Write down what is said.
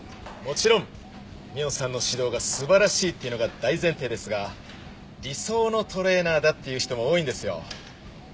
もちろん美音さんの指導が素晴らしいっていうのが大前提ですが理想のトレーナーだって言う人も多いんですよ。